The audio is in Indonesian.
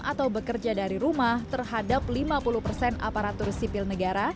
atau bekerja dari rumah terhadap lima puluh persen aparatur sipil negara